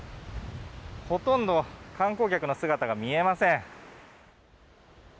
ほとんど観光客の姿が見えません。